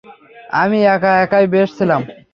আমি একা একাই বেশ ছিলাম।